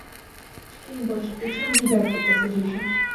ჩქინ ბოშ ხვიჩა მიდართუ პესეჟეშა